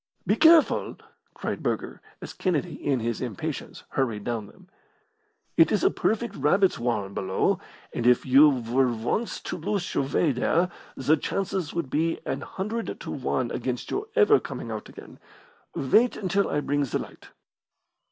"Be careful!" cried Burger, as Kennedy, in his impatience, hurried down them. "It is a perfect rabbits' warren below, and if you were once to lose your way there, the chances would be a hundred to one against your ever coming out again. Wait until I bring the light."